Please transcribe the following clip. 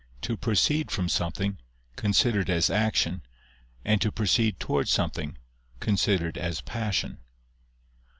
to proceed from something, considered as action, and to proceed towards something, considered as passion.